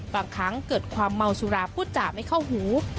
บางครั้งเกิดความเมาสุราพูดจ่าไม่เข้าหู